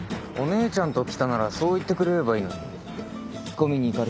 お姉ちゃんと来たならそう言ってくれればいいのに。